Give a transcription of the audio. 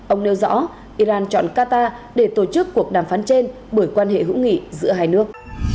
ông nêu rõ iran chọn qatar để tổ chức cuộc đàm phán trên bởi quan hệ hữu nghị giữa hai nước